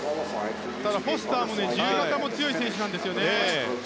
ただ、フォスターも自由形も強い選手なんですよね。